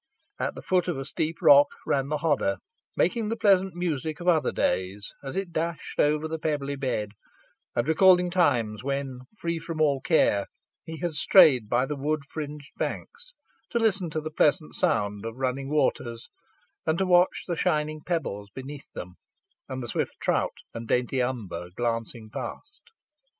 At the foot of a steep rock ran the Hodder, making the pleasant music of other days as it dashed over its pebbly bed, and recalling times, when, free from all care, he had strayed by its wood fringed banks, to listen to the pleasant sound of running waters, and watch the shining pebbles beneath them, and the swift trout and dainty umber glancing past.